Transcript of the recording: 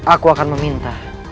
aku akan meminta